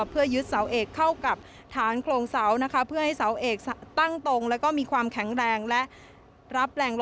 เพื่อยึดเสาเอกเข้ากับฐานโครงเสาร์